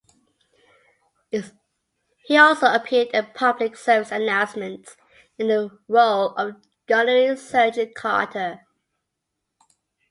He also appeared in public service announcements in the role of Gunnery Sergeant Carter.